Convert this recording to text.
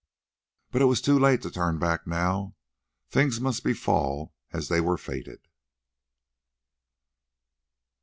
But it was too late to turn back now: things must befall as they were fated.